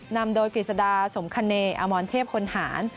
นำโดยกฤษดาสมคเนยอมรเทพพลหาร